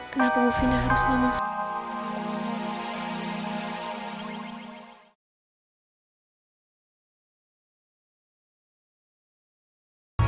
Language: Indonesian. kenapa bu fina harus ngomong seperti itu